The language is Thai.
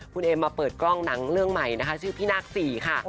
คุณเอมมาเปิดกล้องหนังเรื่องใหม่นะคะชื่อพี่นาค๔ค่ะ